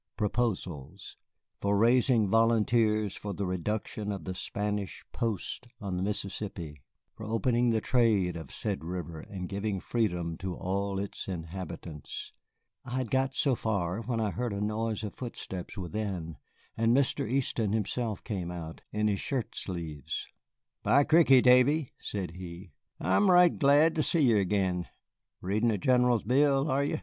"Proposals "For raising volunteers for the reduction of the Spanish posts on the Mississippi, for opening the trade of the said river and giving freedom to all its inhabitants " I had got so far when I heard a noise of footsteps within, and Mr. Easton himself came out, in his shirt sleeves. "By cricky, Davy," said he, "I'm right glad ter see ye ag'in. Readin' the General's bill, are ye?